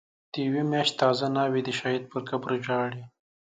د یوی میاشتی تازه ناوی، دشهید پر قبرژاړی